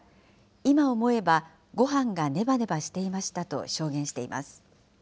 今思えば、ごはんがねばねばしていましたと証言しています。